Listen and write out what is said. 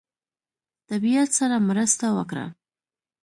طبیعت سره مرسته وکړه.